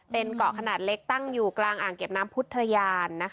เป็นเกาะขนาดเล็กตั้งอยู่กลางอ่างเก็บน้ำพุทธยาน